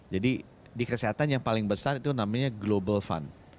jadi di kesehatan yang paling besar itu namanya global fund